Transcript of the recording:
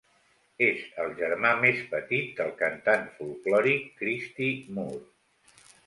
És el germà més petit del cantant folklòric Christy Moore.